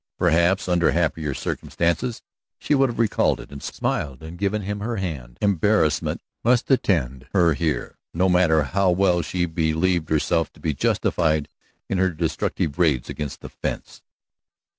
Perhaps under happier circumstances she would have recalled it, and smiled, and given him her hand. Embarrassment must attend her here, no matter how well she believed herself to be justified in her destructive raids against the fence.